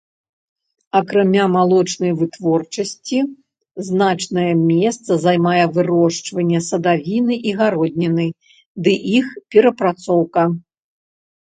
Акрамя малочнай вытворчасці значнае месца займае вырошчванне садавіны і гародніны ды іх перапрацоўка.